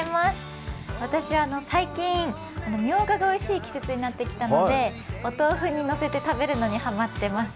私は最近、みょうががおいしい季節になってきたのでお豆腐にのせて食べるのにハマってます。